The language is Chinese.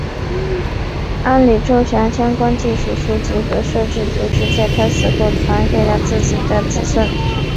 安里周祥的相关技术书籍和设计图纸在他死后传给了自己的子孙。